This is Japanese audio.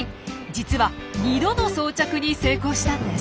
実は２度の装着に成功したんです。